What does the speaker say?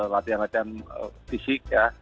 latihan latian fisik ya